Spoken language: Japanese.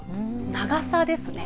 長さですね。